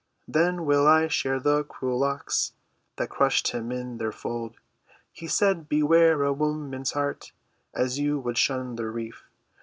'" "Then will I shear the cruel locks That crushed him in their fold." "He said, 'Beware a woman's heart As you would shun the reef.